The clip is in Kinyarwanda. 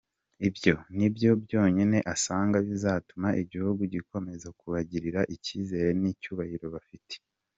Ibyo ni byo byonyine asanga bizatuma igihugu gikomeza kubagirira icyizere n’icyubahiro bafite.